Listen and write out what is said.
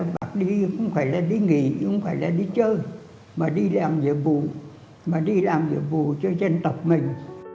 bác đi không phải là đi nghỉ không phải là đi chơi mà đi làm việc bù mà đi làm việc bù cho dân tộc mình